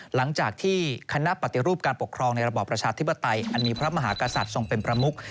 หลังจากที่คณะปฏิรูปการปกครองในระบอบประชาธิปไตยอันมีพระมหากษัตริย์ทรงเป็นประมุก